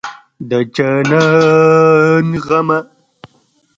د جانان غمه